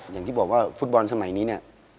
อย่างที่บอกว่าฟุตบอลสมัยนี้เนี่ย